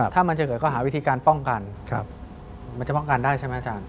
ถ้ามันจะเกิดข้อหาวิธีการป้องกันมันจะป้องกันได้ใช่ไหมอาจารย์